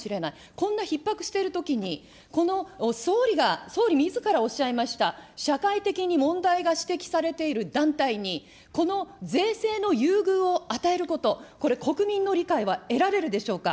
こんなひっ迫しているときに、この総理が、総理みずからおっしゃいました、社会的に問題が指摘されている団体に、この税制の優遇を与えること、これ、国民の理解は得られるでしょうか。